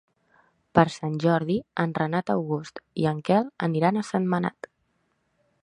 Per Sant Jordi en Renat August i en Quel aniran a Sentmenat.